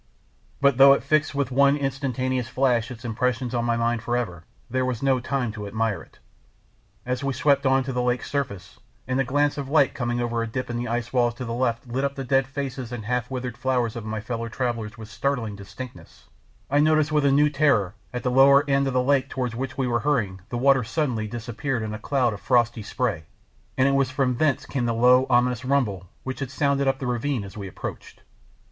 But though it fixed with one instantaneous flash its impression on my mind forever, there was no time to admire it. As we swept on to the lake's surface, and a glance of light coming over a dip in the ice walls to the left lit up the dead faces and half withered flowers of my fellow travellers with startling distinctness, I noticed with a new terror at the lower end of the lake towards which we were hurrying the water suddenly disappeared in a cloud of frosty spray, and it was from thence came the low, ominous rumble which had sounded up the ravine as we approached.